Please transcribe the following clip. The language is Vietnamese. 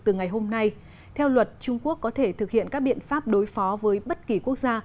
từ ngày hôm nay theo luật trung quốc có thể thực hiện các biện pháp đối phó với bất kỳ quốc gia